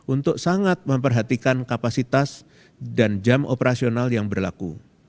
untuk sangat memperhatikan kapasitas dan jam operasional yang berlaku